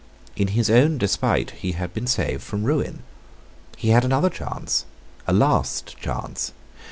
In his own despite he had been saved from ruin. He had another chance, a last chance.